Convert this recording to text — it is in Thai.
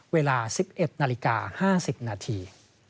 เวลา๑๑นาฬิกา๕๐นาที